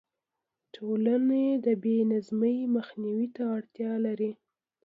ټولنې د بې نظمۍ مخنیوي ته اړتیا لري.